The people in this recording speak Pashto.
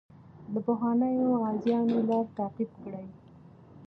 د پخوانیو غازیانو لار تعقیب کړئ.